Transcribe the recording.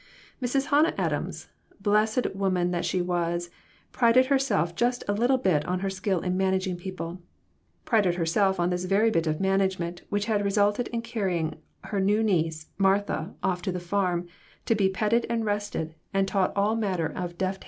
Mrs. Hannah Adams, blessed woman that she was, prided herself just a little bit on her skill in managing people ; prided herself on this very bit of management which had resulted in carrying her new niece, Martha, off to the farm, to be petted and rested, and taught all manner of deft 142 MORAL EVOLUTION.